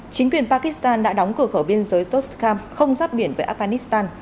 chính quyền pakistan đã đóng cửa khẩu biên giới tostkham không giáp biển với afghanistan